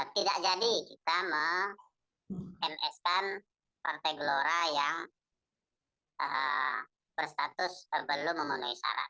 tidak jadi kita meng ms kan partai gelora yang berstatus belum memenuhi syarat